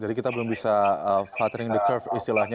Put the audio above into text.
jadi kita belum bisa flattering the curve istilahnya